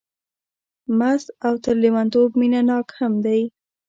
مست او تر لېونتوب مینه ناک هم دی.